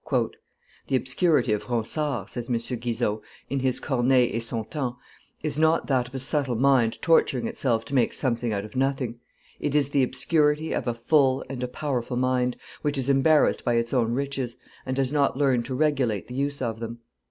"The obscurity of Ronsard," says M. Guizot, in his Corneille et son Temps, "is not that of a subtle mind torturing itself to make something out of nothing; it is the obscurity of a full and a powerful mind, which is embarrassed by its own riches, and has not learned to regulate the use of them.